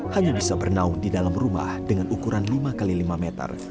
hanya bisa bernaung di dalam rumah dengan ukuran lima x lima meter